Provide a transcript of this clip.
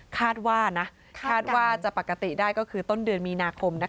คาดว่านะคาดว่าจะปกติได้ก็คือต้นเดือนมีนาคม